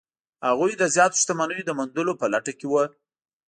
هغوی د زیاتو شتمنیو د موندلو په لټه کې وو.